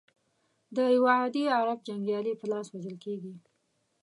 د یوه عادي عرب جنګیالي په لاس وژل کیږي.